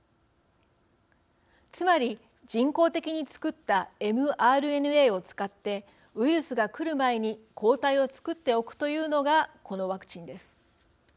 つまり、人工的に作ったｍＲＮＡを使ってウイルスがくる前に抗体を作っておくというのがこのワクチンです。